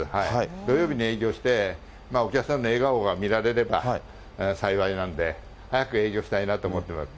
土曜日に営業して、お客さんの笑顔が見られれば幸いなんで、早く営業したいなと思ってます。